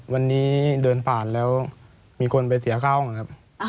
วันนี้เดินผ่านแล้วมีคนไปเสียค่าห้องครับ